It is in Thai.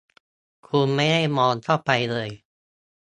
คุณไม่ได้มองเข้าไปเลย